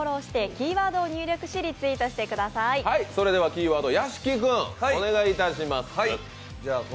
キーワード屋敷君お願いいたします。